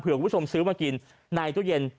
คุณผู้ชมซื้อมากินในตู้เย็น